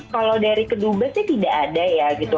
kalau dari kedubesnya tidak ada ya gitu